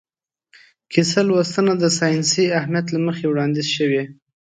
کیسه لوستنه د ساینسي اهمیت له مخې وړاندیز شوې.